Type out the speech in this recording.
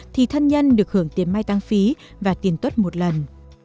thì thân nhân được hưởng tiền mai tăng phí và tiền tuất một lần